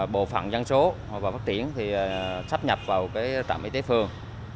bộ phận dân số và phát triển sắp nhập vào trạm y tế phường